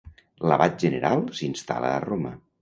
L'abat general s'instal·la a Roma.